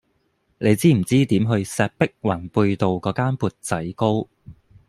你知唔知點去石壁宏貝道嗰間缽仔糕